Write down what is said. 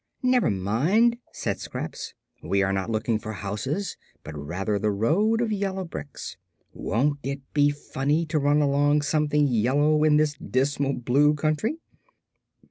"Never mind," said Scraps; "we are not looking for houses, but rather the road of yellow bricks. Won't it be funny to run across something yellow in this dismal blue country?"